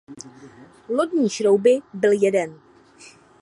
Lodní šrouby byl jeden.